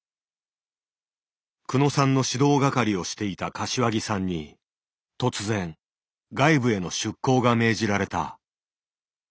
久野さんの指導係をしていた柏木さんに突然外部への出向が命じられた。